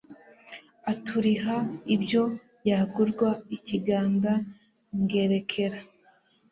Aturiha ibyo yagurwa i Kiganda.Ngerekera